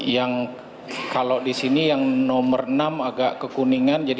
yang kalau di sini yang nomor enam agak kekuningan